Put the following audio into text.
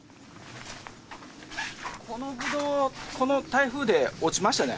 このブドウ、この台風で落ちましたね。